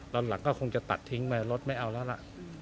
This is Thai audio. ตอนหลังก็คงจะตัดทิ้งไปรถไม่เอาแล้วล่ะ